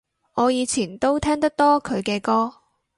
我以前都聽得多佢嘅歌